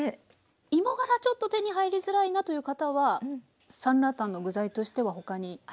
芋がらちょっと手に入りづらいなという方はサンラータンの具材としては他に？